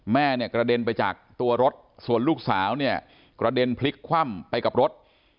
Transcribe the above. แม่เนี่ยกระเด็นไปจากตัวรถส่วนลูกสาวเนี่ยกระเด็นพลิกคว่ำไปกับรถ